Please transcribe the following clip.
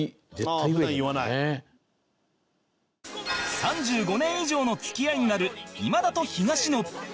３５年以上の付き合いになる今田と東野